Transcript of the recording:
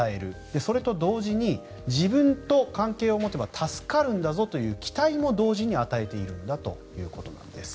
それと同時に自分と関係を持てば助かるんだぞという期待も同時に与えているんだということなんです。